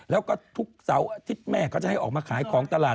แล้วก็ทุกเสาร์อาทิตย์แม่เขาจะให้ออกมาขายของตลาด